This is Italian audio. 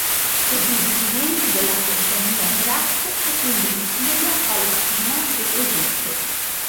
Seguì i movimenti della compagnia in Iraq e quindi in Siria, Palestina e Egitto.